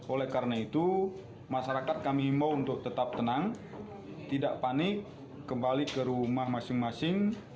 oleh karena itu masyarakat kami mau untuk tetap tenang tidak panik kembali ke rumah masing masing